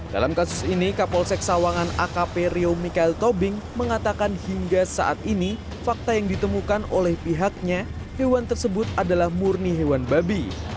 dalam kasus ini kapolsek sawangan akp rio mikael tobing mengatakan hingga saat ini fakta yang ditemukan oleh pihaknya hewan tersebut adalah murni hewan babi